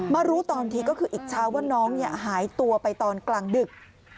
มารู้ตอนทีก็คืออีกเช้าว่าน้องหายตัวไปตอนกลางดึก